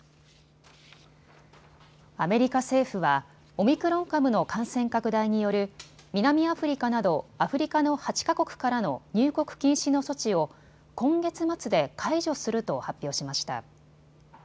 アメリカ政府はオミクロン株の感染拡大による南アフリカなどアフリカの８か国からの入国禁止の措置を今月末で解除すると発表しました。